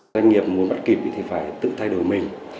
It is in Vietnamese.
doanh nghiệp muốn bắt kịp thì phải tự thay đổi mình